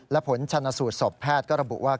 และผลชนสูตรศพแพทย์ก็ระบุว่า